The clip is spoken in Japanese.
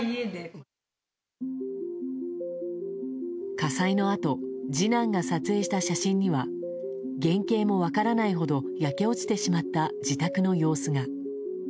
火災のあと次男が撮影した写真には原形も分からないほど焼け落ちてしまった自宅の様子が。